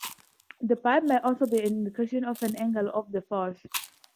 The bulb may also be an indication of the angle of the force.